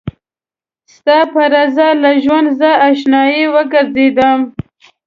ستا په رضا له ژونده زه اشنايه وګرځېدم